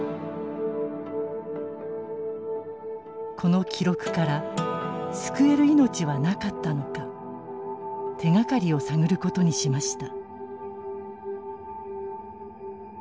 この記録から救える命はなかったのか手がかりを探る事にしました。